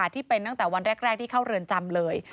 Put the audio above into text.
ที่เป็นตั้งแต่วันแรกที่เข้าเรือนจำเลย